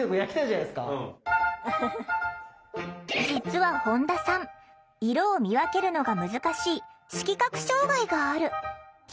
実は本田さん色を見分けるのが難しい色覚障害がある。